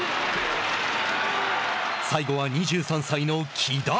最後は、２３歳の木田。